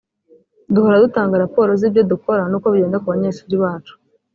duhora dutanga raporo z ‘ibyo dukora n’uko bigenda ku banyeshuri bacu